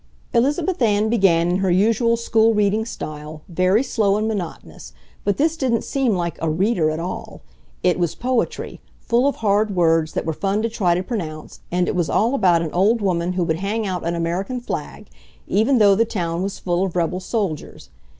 Elizabeth Ann began in her usual school reading style, very slow and monotonous, but this didn't seem like a "reader" at all. It was poetry, full of hard words that were fun to try to pronounce, and it was all about an old woman who would hang out an American flag, even though the town was full of rebel soldiers.